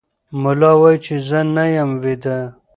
ملا وایي چې زه نه یم ویده.